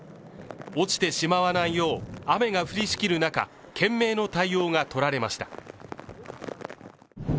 落ちてしまわないよう、雨が降りしきる中、懸命な対応が取られました。